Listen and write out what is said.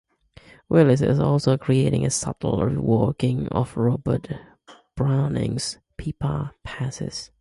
Willis is also creating a subtle reworking of Robert Browning's "Pippa Passes".